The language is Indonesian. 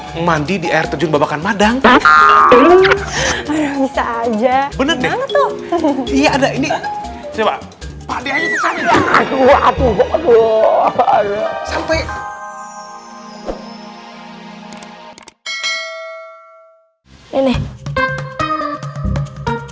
hai mandi di air terjun babakan madang tak bisa aja bener bener tuh iya ada ini sebab